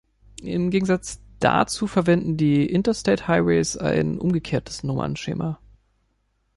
Im Gegensatz dazu verwenden die Interstate Highways ein umgekehrtes Nummernschema.